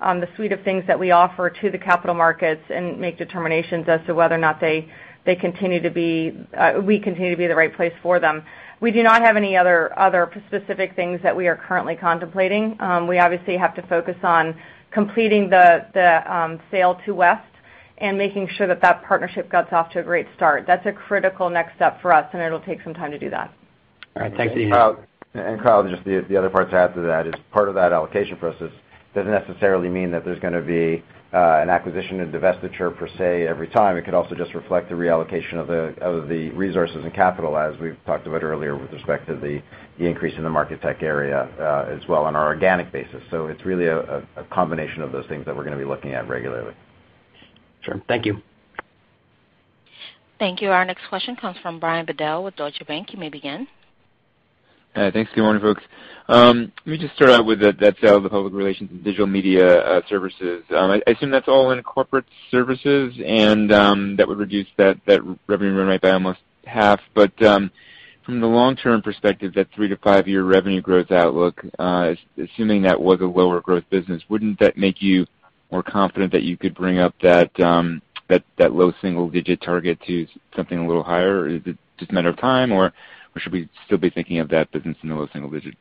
the suite of things that we offer to the capital markets and make determinations as to whether or not we continue to be the right place for them. We do not have any other specific things that we are currently contemplating. We obviously have to focus on completing the sale to West and making sure that that partnership gets off to a great start. That's a critical next step for us, and it'll take some time to do that. All right, thanks. Kyle, just the other part to add to that is part of that allocation process doesn't necessarily mean that there's going to be an acquisition and divestiture, per se, every time. It could also just reflect the reallocation of the resources and capital, as we've talked about earlier, with respect to the increase in the market tech area as well on our organic basis. It's really a combination of those things that we're going to be looking at regularly. Sure. Thank you. Thank you. Our next question comes from Brian Bedell with Deutsche Bank. You may begin. Thanks. Good morning, folks. Let me just start out with that sale of the public relations and digital media services. I assume that's all in corporate services, and that would reduce that revenue run rate by almost half. From the long-term perspective, that 3-5-year revenue growth outlook, assuming that was a lower growth business, wouldn't that make you more confident that you could bring up that low double-digit target to something a little higher? Is it just a matter of time? Should we still be thinking of that business in the low single digits?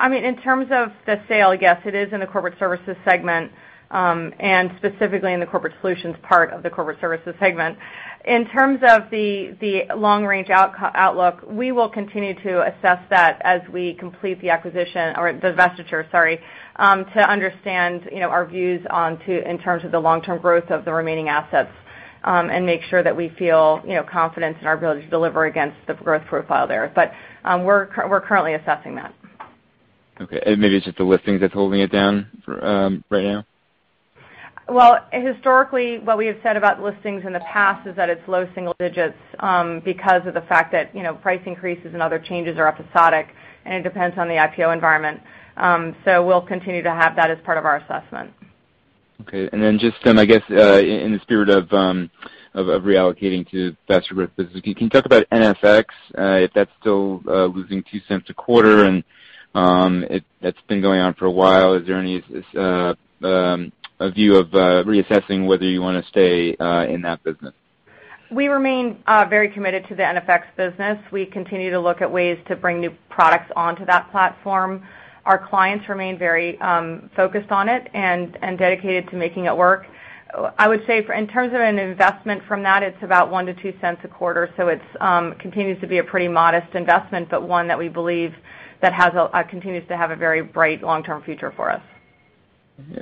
I mean, in terms of the sale, yes, it is in the corporate services segment, and specifically in the corporate solutions part of the corporate services segment. In terms of the long-range outlook, we will continue to assess that as we complete the acquisition or the divestiture, sorry, to understand our views in terms of the long-term growth of the remaining assets and make sure that we feel confident in our ability to deliver against the growth profile there. We're currently assessing that. Okay. Maybe it's just the listings that's holding it down right now? Well, historically, what we have said about listings in the past is that it's low single digits because of the fact that price increases and other changes are episodic, and it depends on the IPO environment. We'll continue to have that as part of our assessment. Okay. Then just I guess in the spirit of reallocating to faster growth businesses, can you talk about NFX, if that's still losing $0.02 a quarter, and that's been going on for a while. Is there any view of reassessing whether you want to stay in that business? We remain very committed to the NFX business. We continue to look at ways to bring new products onto that platform. Our clients remain very focused on it and dedicated to making it work. I would say in terms of an investment from that, it's about $0.01-$0.02 a quarter. It continues to be a pretty modest investment, but one that we believe continues to have a very bright long-term future for us.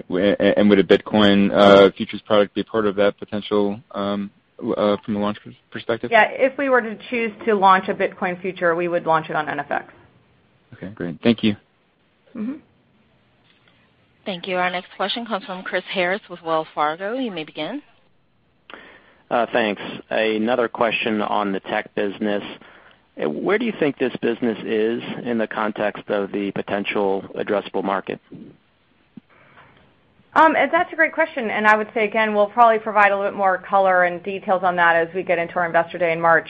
Would a Bitcoin futures product be part of that potential from a launch perspective? If we were to choose to launch a Bitcoin future, we would launch it on NFX. Thank you. Thank you. Our next question comes from Chris Harris with Wells Fargo. You may begin. Thanks. Another question on the tech business. Where do you think this business is in the context of the potential addressable market? That's a great question. I would say again, we'll probably provide a little bit more color and details on that as we get into our investor day in March.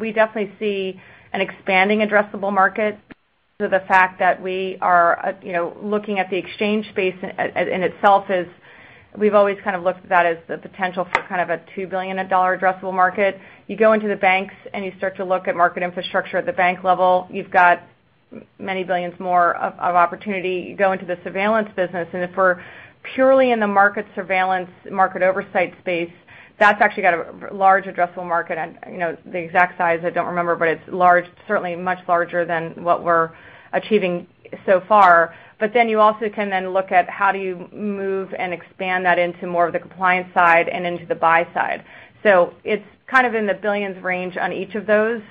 We definitely see an expanding addressable market to the fact that we are looking at the exchange space in itself as we've always kind of looked at that as the potential for kind of a $2 billion addressable market. You go into the banks, and you start to look at market infrastructure at the bank level, you've got many billions more of opportunity. You go into the surveillance business, and if we're purely in the market surveillance, market oversight space, that's actually got a large addressable market. The exact size I don't remember, but it's certainly much larger than what we're achieving so far. You also can then look at how do you move and expand that into more of the compliance side and into the buy side. It's kind of in the billions range on each of those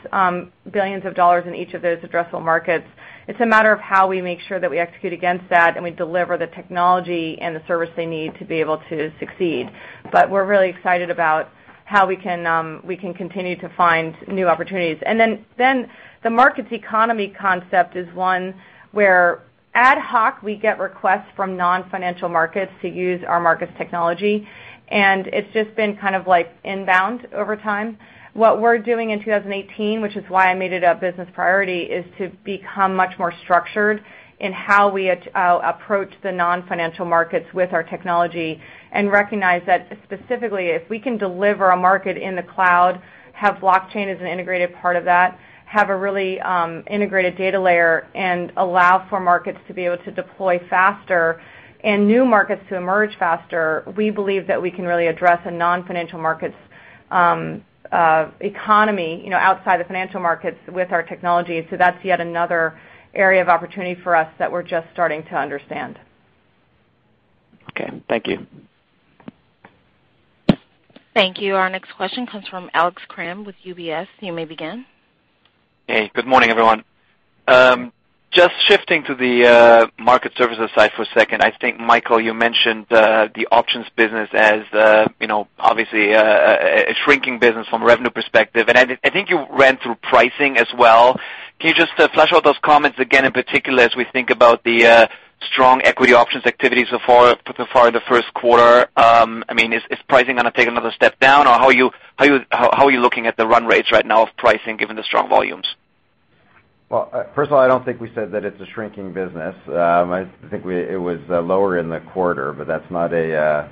billions of dollars in each of those addressable markets. It's a matter of how we make sure that we execute against that and we deliver the technology and the service they need to be able to succeed. We're really excited about how we can continue to find new opportunities. The markets economy concept is one where ad hoc, we get requests from non-financial markets to use our markets technology, and it's just been kind of like inbound over time. What we're doing in 2018, which is why I made it a business priority, is to become much more structured in how we approach the non-financial markets with our technology and recognize that specifically, if we can deliver a market in the cloud, have blockchain as an integrated part of that, have a really integrated data layer and allow for markets to be able to deploy faster and new markets to emerge faster, we believe that we can really address a non-financial markets economy outside the financial markets with our technology. That's yet another area of opportunity for us that we're just starting to understand. Okay, thank you. Thank you. Our next question comes from Alex Kramm with UBS. You may begin. Hey, good morning, everyone. Just shifting to the market services side for a second. I think, Michael, you mentioned the options business as obviously a shrinking business from a revenue perspective. I think you ran through pricing as well. Can you just flesh out those comments again, in particular, as we think about the strong equity options activity so far in the first quarter? Is pricing going to take another step down, or how are you looking at the run rates right now of pricing given the strong volumes? Well, first of all, I don't think we said that it's a shrinking business. I think it was lower in the quarter, but that's not a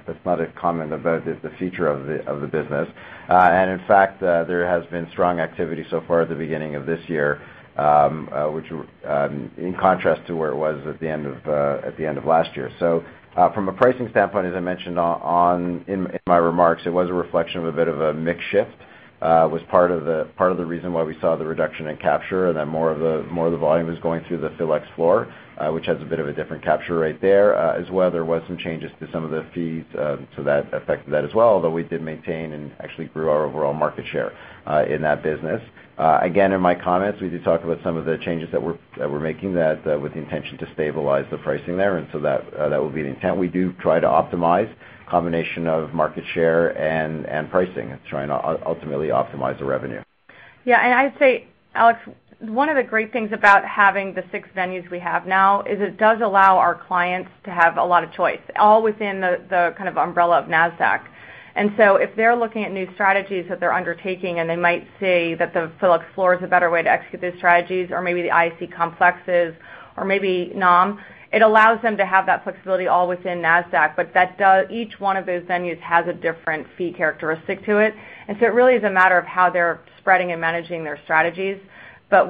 comment about the future of the business. In fact, there has been strong activity so far at the beginning of this year, in contrast to where it was at the end of last year. From a pricing standpoint, as I mentioned in my remarks, it was a reflection of a bit of a mix shift, was part of the reason why we saw the reduction in capture and then more of the volume is going through the PHLX floor, which has a bit of a different capture rate there. As well, there was some changes to some of the fees, so that affected that as well, although we did maintain and actually grew our overall market share in that business. In my comments, we did talk about some of the changes that we're making that with the intention to stabilize the pricing there. So that will be the intent. We do try to optimize combination of market share and pricing and try and ultimately optimize the revenue. Yeah. I'd say, Alex, one of the great things about having the six venues we have now is it does allow our clients to have a lot of choice, all within the kind of umbrella of Nasdaq. So if they're looking at new strategies that they're undertaking and they might see that the PHLX floor is a better way to execute those strategies or maybe the ISE Complex is or maybe NOM, it allows them to have that flexibility all within Nasdaq. Each one of those venues has a different fee characteristic to it. So it really is a matter of how they're spreading and managing their strategies.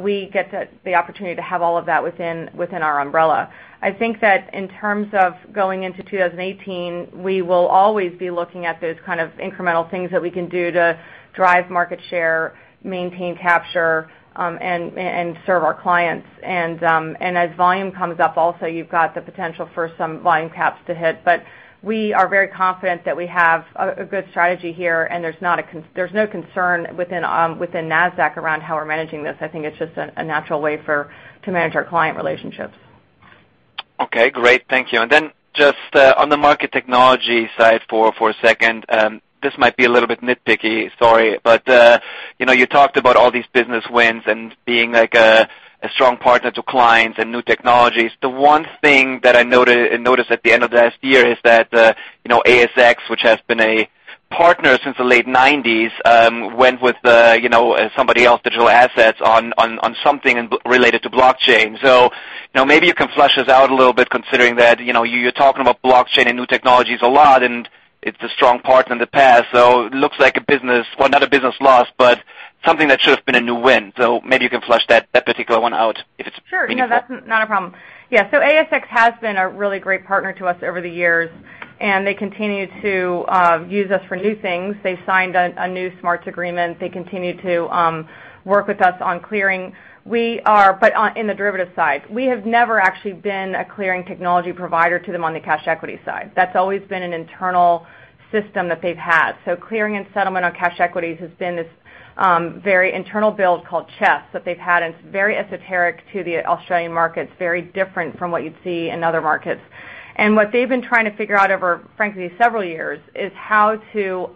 We get the opportunity to have all of that within our umbrella. I think that in terms of going into 2018, we will always be looking at those kind of incremental things that we can do to drive market share, maintain capture and serve our clients. As volume comes up also, you've got the potential for some volume caps to hit. We are very confident that we have a good strategy here, and there's no concern within Nasdaq around how we're managing this. I think it's just a natural way to manage our client relationships. Okay, great. Thank you. Just on the market technology side for a second, this might be a little bit nitpicky, sorry, but you talked about all these business wins and being like a strong partner to clients and new technologies. The one thing that I noticed at the end of last year is that ASX, which has been a partner since the late '90s, went with somebody else, Digital Asset, on something related to blockchain. Maybe you can flesh this out a little bit considering that you're talking about blockchain and new technologies a lot, and it's a strong partner in the past, so it looks like a business Well, not a business loss, but something that should have been a new win. Maybe you can flesh that particular one out if it's meaningful. Sure. That's not a problem. Yeah. ASX has been a really great partner to us over the years, and they continue to use us for new things. They signed a new SMARTS agreement. They continue to work with us on clearing. In the derivative side. We have never actually been a clearing technology provider to them on the cash equity side. That's always been an internal system that they've had. Clearing and settlement on cash equities has been this very internal build called CHESS that they've had, and it's very esoteric to the Australian markets, very different from what you'd see in other markets. What they've been trying to figure out over, frankly, several years is how to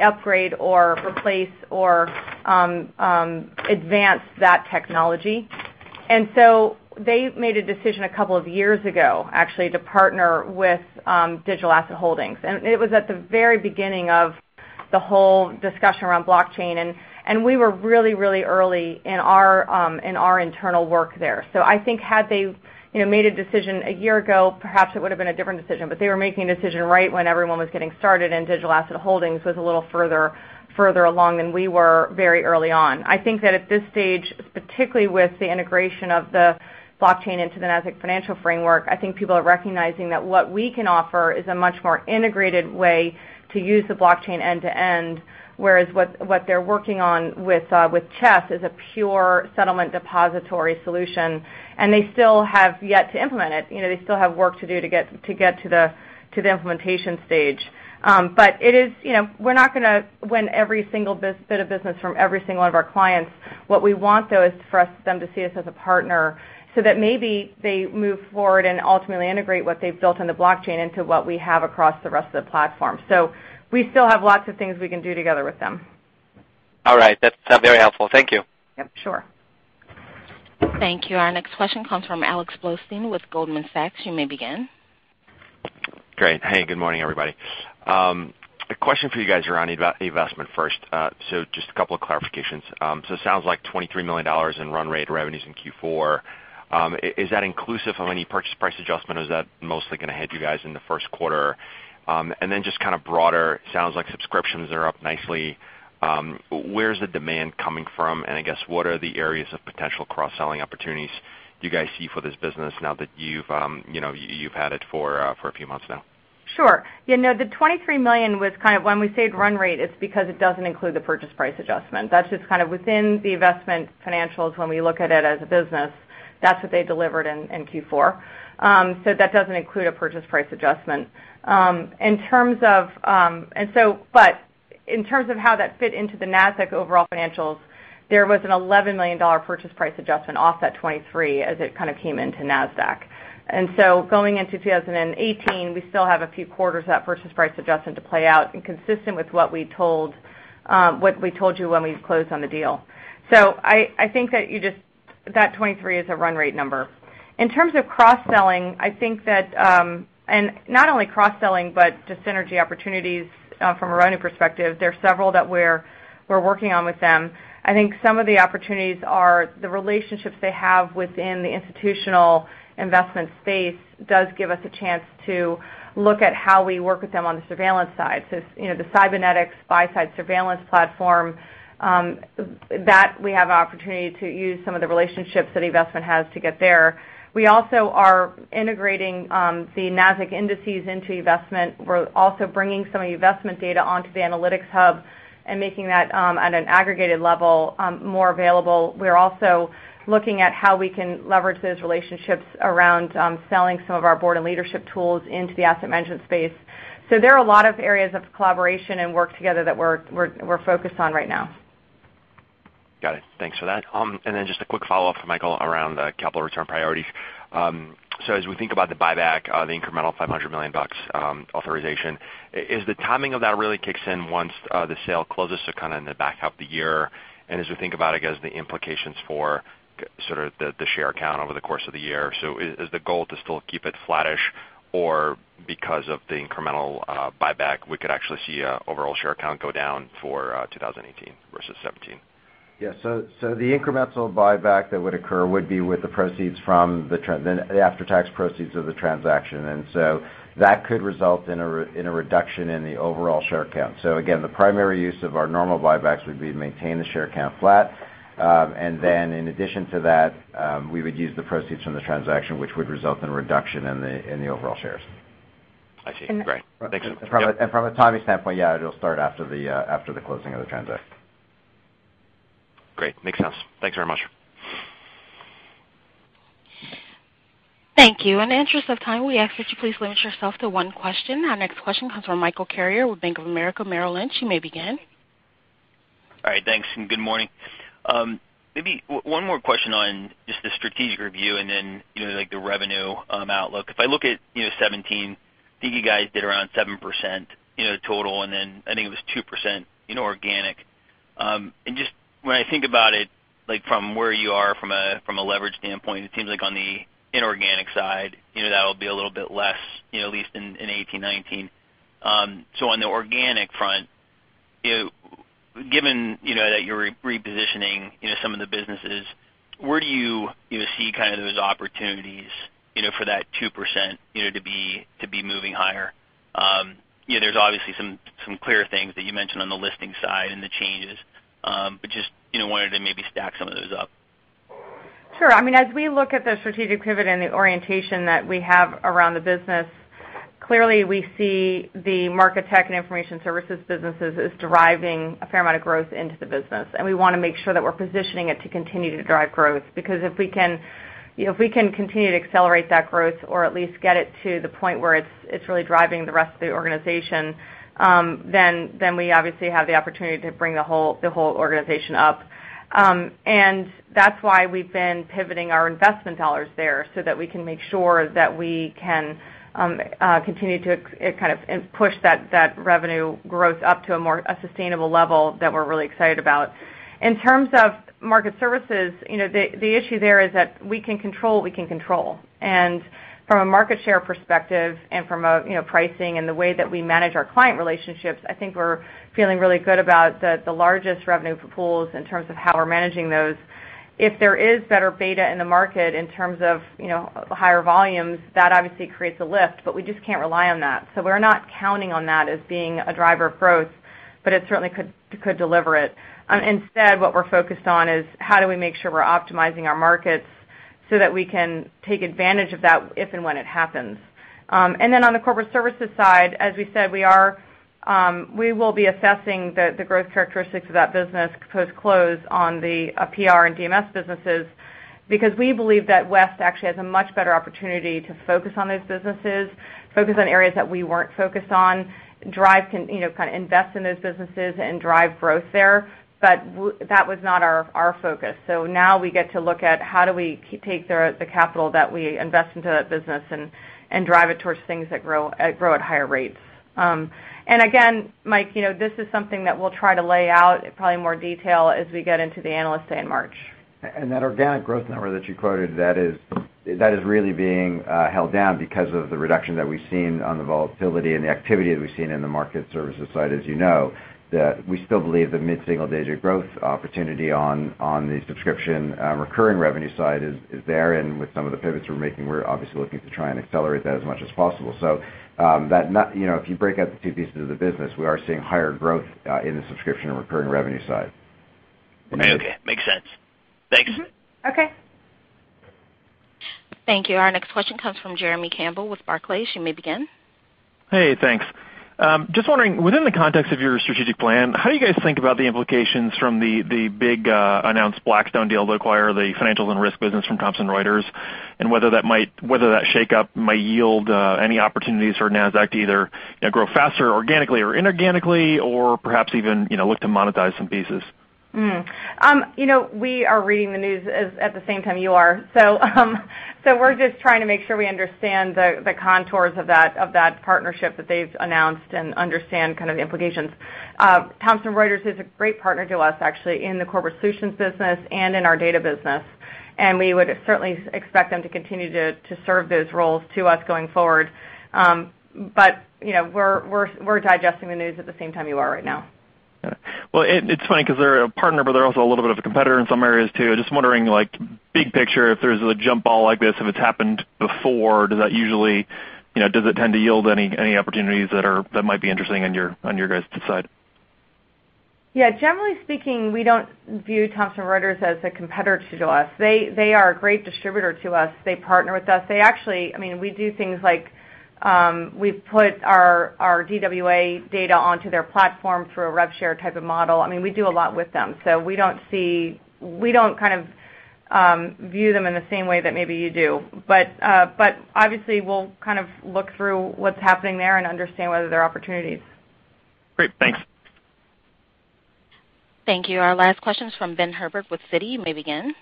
upgrade or replace or advance that technology. They made a decision a couple of years ago, actually, to partner with Digital Asset Holdings. It was at the very beginning of the whole discussion around blockchain, and we were really early in our internal work there. I think had they made a decision a year ago, perhaps it would've been a different decision, but they were making a decision right when everyone was getting started, and Digital Asset Holdings was a little further along than we were very early on. I think that at this stage, particularly with the integration of the blockchain into the Nasdaq Financial Framework, I think people are recognizing that what we can offer is a much more integrated way to use the blockchain end to end, whereas what they're working on with CHESS is a pure settlement depository solution, and they still have yet to implement it. They still have work to do to get to the implementation stage. We're not going to win every single bit of business from every single one of our clients. What we want, though, is for them to see us as a partner so that maybe they move forward and ultimately integrate what they've built in the blockchain into what we have across the rest of the platform. We still have lots of things we can do together with them. All right. That's very helpful. Thank you. Yep, sure. Thank you. Our next question comes from Alex Blostein with Goldman Sachs. You may begin. Great. Hey, good morning, everybody. A question for you guys around E*TRADE first. Just a couple of clarifications. It sounds like $23 million in run rate revenues in Q4. Is that inclusive of any purchase price adjustment, or is that mostly going to hit you guys in the first quarter? Just kind of broader, sounds like subscriptions are up nicely. Where's the demand coming from, and I guess, what are the areas of potential cross-selling opportunities you guys see for this business now that you've had it for a few months now? Sure. The $23 million was kind of when we say run rate, it's because it doesn't include the purchase price adjustment. That's just kind of within the investment financials when we look at it as a business. That's what they delivered in Q4. That doesn't include a purchase price adjustment. In terms of how that fit into the Nasdaq overall financials, there was an $11 million purchase price adjustment off that 23 as it kind of came into Nasdaq. Going into 2018, we still have a few quarters of that purchase price adjustment to play out and consistent with what we told you when we closed on the deal. I think that 23 is a run rate number. In terms of cross-selling, and not only cross-selling, but just synergy opportunities from our own perspective, there are several that we're working on with them. I think some of the opportunities are the relationships they have within the institutional investment space does give us a chance to look at how we work with them on the surveillance side. The Cinnober buy-side surveillance platform, that we have an opportunity to use some of the relationships that E*TRADE has to get there. We also are integrating the Nasdaq indices into E*TRADE. We are also bringing some of E*TRADE data onto the Analytics Hub and making that at an aggregated level more available. We are also looking at how we can leverage those relationships around selling some of our board and leadership tools into the asset management space. There are a lot of areas of collaboration and work together that we are focused on right now. Got it. Thanks for that. Just a quick follow-up for Michael around the capital return priorities. As we think about the buyback, the incremental $500 million authorization, is the timing of that really kicks in once the sale closes, kind of in the back half of the year? As we think about, I guess, the implications for sort of the share count over the course of the year. Is the goal to still keep it flattish, or because of the incremental buyback, we could actually see an overall share count go down for 2018 versus 2017? The incremental buyback that would occur would be with the after-tax proceeds of the transaction, and so that could result in a reduction in the overall share count. Again, the primary use of our normal buybacks would be to maintain the share count flat. In addition to that, we would use the proceeds from the transaction, which would result in a reduction in the overall shares. I see. Great. Thank you. From a timing standpoint, yeah, it'll start after the closing of the transaction. Great. Makes sense. Thanks very much. Thank you. In the interest of time, we ask that you please limit yourself to one question. Our next question comes from Michael Carrier with Bank of America Merrill Lynch. You may begin. All right, thanks, and good morning. Maybe one more question on just the strategic review and then the revenue outlook. If I look at 2017, I think you guys did around 7% total, and then I think it was 2% inorganic. Just when I think about it, from where you are from a leverage standpoint, it seems like on the inorganic side, that'll be a little bit less, at least in 2018, 2019. On the organic front, given that you're repositioning some of the businesses, where do you see kind of those opportunities for that 2% to be moving higher? There's obviously some clear things that you mentioned on the listing side and the changes, but just wanted to maybe stack some of those up. Sure. As we look at the strategic pivot and the orientation that we have around the business, clearly we see the market tech and information services businesses is deriving a fair amount of growth into the business, and we want to make sure that we're positioning it to continue to drive growth. If we can continue to accelerate that growth or at least get it to the point where it's really driving the rest of the organization, then we obviously have the opportunity to bring the whole organization up. That's why we've been pivoting our investment dollars there so that we can make sure that we can continue to kind of push that revenue growth up to a more sustainable level that we're really excited about. In terms of market services, the issue there is that we can control what we can control. From a market share perspective and from a pricing and the way that we manage our client relationships, I think we're feeling really good about the largest revenue pools in terms of how we're managing those. If there is better beta in the market in terms of higher volumes, that obviously creates a lift, but we just can't rely on that. We're not counting on that as being a driver of growth, but it certainly could deliver it. Instead, what we're focused on is how do we make sure we're optimizing our markets so that we can take advantage of that if and when it happens. On the corporate services side, as we said, we will be assessing the growth characteristics of that business post-close on the PR and DMS businesses because we believe that West actually has a much better opportunity to focus on those businesses, focus on areas that we weren't focused on, kind of invest in those businesses and drive growth there. That was not our focus. Now we get to look at how do we take the capital that we invest into that business and drive it towards things that grow at higher rates. Again, Mike, this is something that we'll try to lay out in probably more detail as we get into the Analyst Day in March. That organic growth number that you quoted, that is really being held down because of the reduction that we've seen on the volatility and the activity that we've seen in the market services side, as you know, that we still believe the mid-single-digit growth opportunity on the subscription recurring revenue side is there. With some of the pivots we're making, we're obviously looking to try and accelerate that as much as possible. If you break out the two pieces of the business, we are seeing higher growth in the subscription and recurring revenue side. Okay. Makes sense. Thanks. Mm-hmm. Okay. Thank you. Our next question comes from Jeremy Campbell with Barclays. You may begin. Hey, thanks. Just wondering, within the context of your strategic plan, how do you guys think about the implications from the big announced Blackstone deal to acquire the financials and risk business from Thomson Reuters, and whether that shakeup might yield any opportunities for Nasdaq to either grow faster organically or inorganically or perhaps even look to monetize some pieces? We are reading the news at the same time you are. We're just trying to make sure we understand the contours of that partnership that they've announced and understand kind of the implications. Thomson Reuters is a great partner to us, actually, in the corporate solutions business and in our data business, and we would certainly expect them to continue to serve those roles to us going forward. We're digesting the news at the same time you are right now. Got it. Well, it's funny because they're a partner, they're also a little bit of a competitor in some areas too. Just wondering, like, big picture, if there's a jump ball like this, if it's happened before, does it tend to yield any opportunities that might be interesting on your guys' side? Yeah. Generally speaking, we don't view Thomson Reuters as a competitor to us. They are a great distributor to us. They partner with us. We do things like, we've put our DWA data onto their platform through a rev share type of model. We do a lot with them, we don't view them in the same way that maybe you do. Obviously, we'll look through what's happening there and understand whether there are opportunities. Great. Thanks. Thank you. Our last question is from Ben Herbert with Citi. You may begin.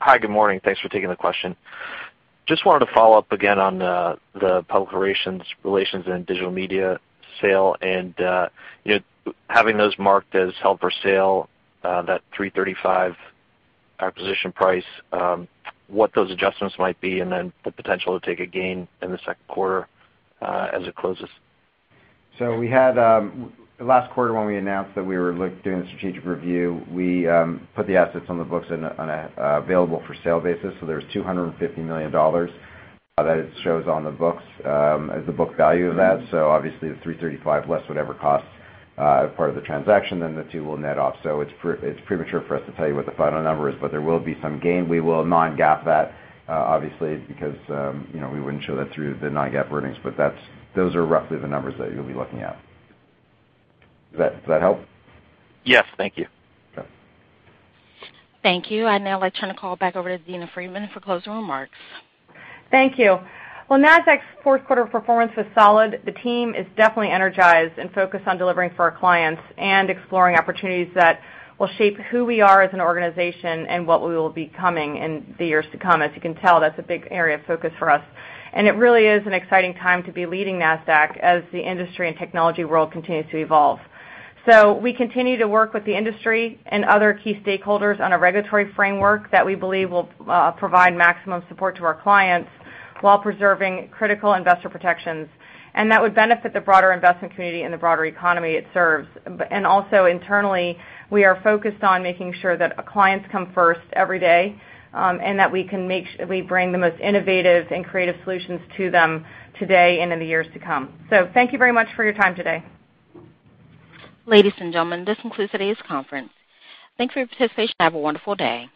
Hi. Good morning. Thanks for taking the question. Just wanted to follow up again on the public relations and digital media sale and having those marked as held for sale, that $335 acquisition price, what those adjustments might be, and the potential to take a gain in the second quarter as it closes. Last quarter, when we announced that we were doing a strategic review, we put the assets on the books on an available for sale basis. There's $250 million that it shows on the books as the book value of that. Obviously the $335 less whatever cost part of the transaction, then the two will net off. It's premature for us to tell you what the final number is, but there will be some gain. We will non-GAAP that, obviously, because we wouldn't show that through the non-GAAP earnings, but those are roughly the numbers that you'll be looking at. Does that help? Yes. Thank you. Okay. Thank you. I'd now like to turn the call back over to Adena Friedman for closing remarks. Thank you. Well, Nasdaq's fourth quarter performance was solid. The team is definitely energized and focused on delivering for our clients and exploring opportunities that will shape who we are as an organization and what we will be becoming in the years to come. As you can tell, that's a big area of focus for us, and it really is an exciting time to be leading Nasdaq as the industry and technology world continues to evolve. We continue to work with the industry and other key stakeholders on a regulatory framework that we believe will provide maximum support to our clients while preserving critical investor protections, and that would benefit the broader investment community and the broader economy it serves. Also internally, we are focused on making sure that our clients come first every day and that we bring the most innovative and creative solutions to them today and in the years to come. Thank you very much for your time today. Ladies and gentlemen, this concludes today's conference. Thanks for your participation. Have a wonderful day.